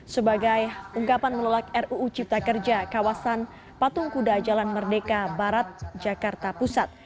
sebagai ungkapan menolak ruu cipta kerja kawasan patung kuda jalan merdeka barat jakarta pusat